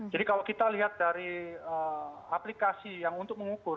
jadi kalau kita lihat dari aplikasi yang untuk mengukur